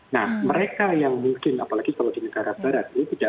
nah mereka yang mungkin apalagi kalau di negara barat